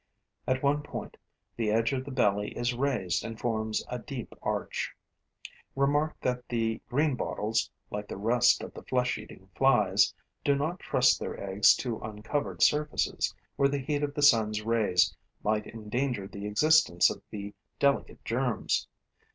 At one point, the edge of the belly is raised and forms a deep arch. Remark that the Greenbottles, like the rest of the flesh eating flies, do not trust their eggs to uncovered surfaces, where the heat of the sun's rays might endanger the existence of the delicate germs.